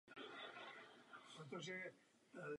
Palác i hotel společně vytvářejí kongresové centrum.